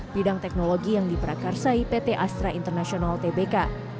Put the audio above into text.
bidang teknologi yang diperakarsai pt astra international tbk